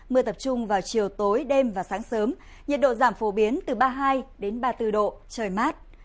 mưa tập trung vào chiều tối đêm và sáng sớm nhiệt độ giảm phổ biến từ ba mươi hai ba mươi bốn độ trời mát